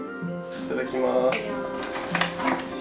いただきます。